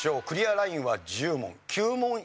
クリアラインは１０問。